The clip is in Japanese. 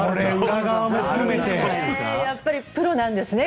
やっぱりプロなんですね